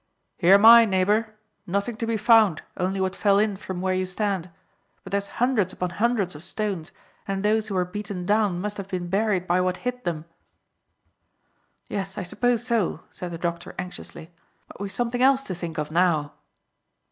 "Here am I, neighbour. Nothing to be found, only what fell in from where you stand. But there's hundreds upon hundreds of stones, and those who were beaten down must have been buried by what hit them." "Yes, I suppose so," said the doctor anxiously; "but we've something else to think of now."